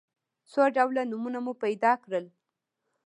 څو ډوله نومونه مو پیدا کړل.